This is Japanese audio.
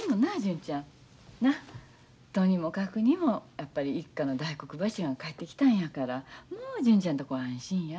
やっぱり一家の大黒柱が帰ってきたんやからもう純ちゃんとこは安心や。